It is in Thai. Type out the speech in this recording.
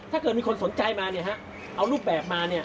ถ้าเกิดมีคนสนใจมาเนี่ยฮะเอารูปแบบมาเนี่ย